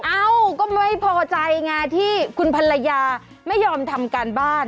เอ้าก็ไม่พอใจไงที่คุณภรรยาไม่ยอมทำการบ้าน